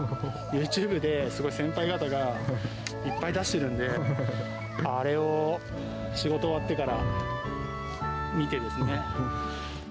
ユーチューブで、すごい先輩方がいっぱい出してるんで、あれを、仕事終わってから見てですね。